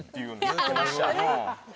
言うてました。